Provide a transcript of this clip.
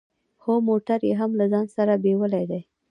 هو موټر يې هم له ځان سره بيولی دی.